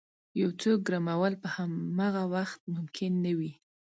یو څوک ګرمول په همغه وخت ممکن نه وي.